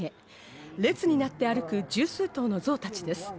列になって歩く１０数頭のゾウたちです。